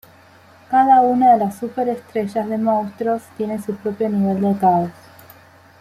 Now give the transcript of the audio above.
Cada una de las superestrellas de monstruos tiene su propio nivel de Caos.